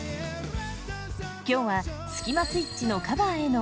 今日はスキマスイッチのカバーへの思い